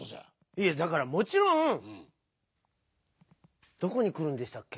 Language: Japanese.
いやだからもちろんどこにくるんでしたっけ？